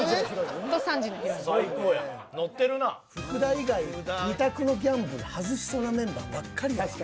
以外２択のギャンブル外しそうなメンバーばっかりやわ。